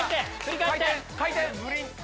回転回転！